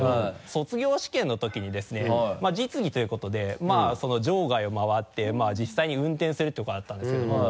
卒業試験のときにですね実技ということで場外を回って実際に運転するとかあったんですけども。